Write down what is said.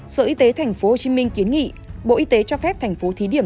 sở y tế tp hcm kiến nghị bộ y tế cho phép thành phố thí điểm